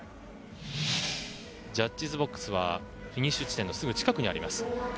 ジャッジズボックスはフィニッシュ地点の近くにあります。